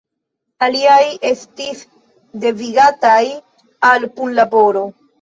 Aliaj estis devigataj al punlaboro.